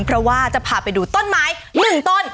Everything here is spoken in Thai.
เพราะว่าจะพาไปดูต้นไม้๑ต้น